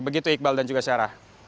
begitu iqbal dan juga syarah